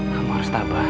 kamu harus tabah